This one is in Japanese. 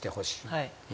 はい。